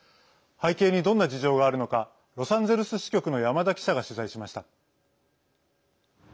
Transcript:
背景にどんな事情があるのかロサンゼルス支局の山田記者が取材しました。